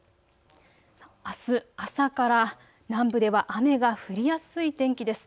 あす朝から南部では雨が降りやすい天気です。